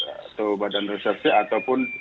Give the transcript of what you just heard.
atau badan resepse ataupun